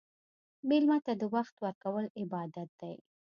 مېلمه ته وخت ورکول عبادت دی.